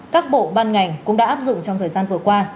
các bộ ban ngành cũng đã áp dụng trong thời gian vừa qua